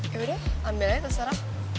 yaudah ambil aja terserah